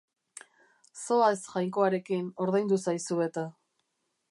Zoaz Jainkoarekin, ordaindu zaizu eta.